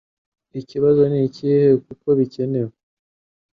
Ikibazo ni ikihekuko bikenewe